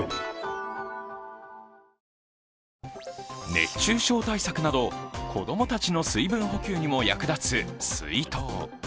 熱中症対策など、子供たちの水分補給にも役立つ水筒。